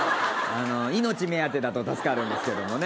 命目当てだと助かるんですけどもね。